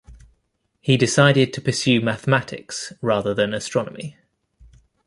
He decided to pursue mathematics, rather than astronomy.